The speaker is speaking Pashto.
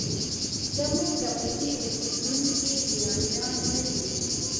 زموږ د کوڅې اوسیدونکي لیونیان نه دي.